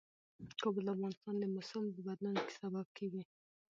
کابل د افغانستان د موسم د بدلون سبب کېږي.